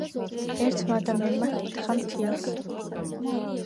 ერთმა ადამიანმა ჰკითხა მთიელს